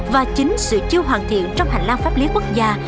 và chính sự chưa hoàn thiện trong hành lang pháp lý quốc gia